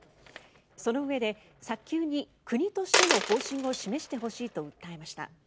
そのうえで早急に国としての方針を示してほしいと訴えました。